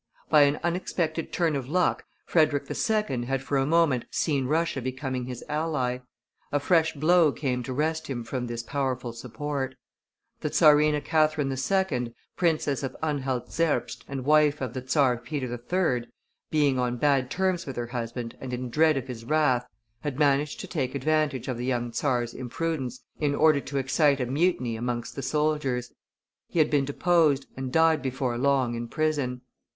By an unexpected turn of luck, Frederick II. had for a moment seen Russia becoming his ally; a fresh blow came to wrest from him this powerful support. The Czarina Catherine II., Princess of Anhalt Zerbst and wife of the Czar Peter III., being on bad terms with her husband and in dread of his wrath, had managed to take advantage of the young czar's imprudence in order to excite a mutiny amongst the soldiers; he had been deposed, and died before long in prison.